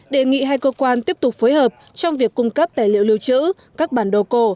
đề nghị hai cơ quan tiếp tục phối hợp trong việc cung cấp tài liệu lưu trữ các bản đồ cổ